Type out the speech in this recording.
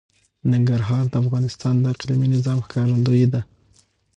ننګرهار د افغانستان د اقلیمي نظام ښکارندوی ده.